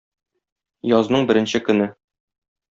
Язның беренче көне.